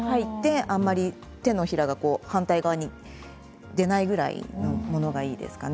あまり手のひらが反対に出ないぐらいのものがいいですかね。